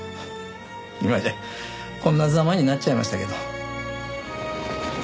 今じゃこんなザマになっちゃいましたけど。